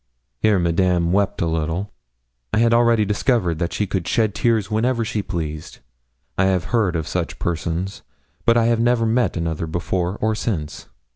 Here Madame wept a little. I had already discovered that she could shed tears whenever she pleased. I have heard of such persons, but I never met another before or since.